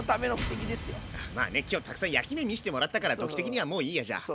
まあね今日たくさん焼き目見してもらったからドッキー的にはもういいやじゃあ。